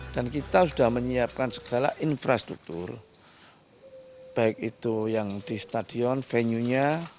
dan kita sudah menyiapkan segala infrastruktur baik itu yang di stadion venue nya